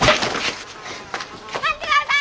待ってください！